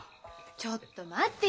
ちょっと待ってよ